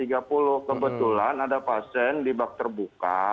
kebetulan ada pasien di bak terbuka